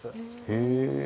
へえ。